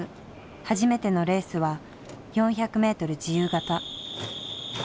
初めてのレースは４００ｍ自由形。